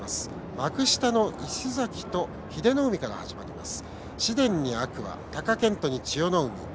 幕下の石崎と英乃海で始まります。